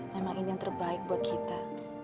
memang ini yang terbaik buat kita